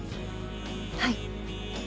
はい。